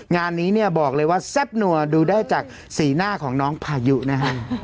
งานนี้เนี่ยบอกเลยว่าแซ่บนัวดูได้จากสีหน้าของน้องพายุนะฮะ